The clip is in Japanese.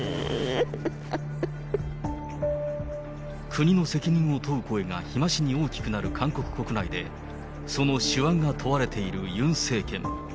国の責任を問う声が日増しに大きくなる韓国国内で、その手腕が問われているユン政権。